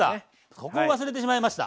ここを忘れてしまいました。